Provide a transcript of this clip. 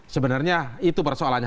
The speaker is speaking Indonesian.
sebenarnya itu persoalannya